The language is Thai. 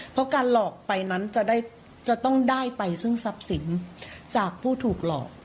เพราะการหลอกไปนั้นจะต้องได้ไปซึ่งทรัพย์สินจากผู้ถูกหลอก